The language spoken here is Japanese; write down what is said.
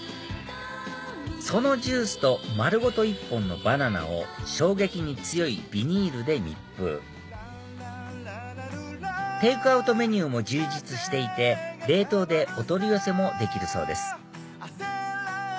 そのジュースと丸ごと１本のバナナを衝撃に強いビニールで密封テイクアウトメニューも充実していて冷凍でお取り寄せもできるそうです